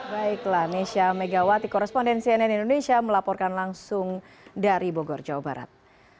baiklah nesya megawati korespondensi nn indonesia melaporkan langsung dari bogor jawa barat